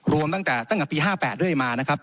รวมตั้งแต่ตั้งแต่ปี๕๘เรื่อยมานะครับ